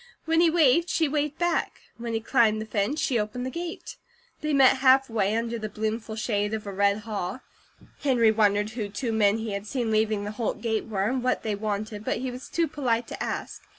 When he waved, she waved back. When he climbed the fence she opened the gate. They met halfway, under the bloomful shade of a red haw. Henry wondered who two men he had seen leaving the Holt gate were, and what they wanted, but he was too polite to ask.